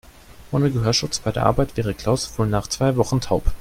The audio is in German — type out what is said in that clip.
Ohne Gehörschutz bei der Arbeit wäre Klaus wohl nach zwei Wochen taub.